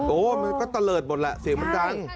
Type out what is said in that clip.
โอ้มันก็ตะเลิศหมดแหละเสียงมันดัง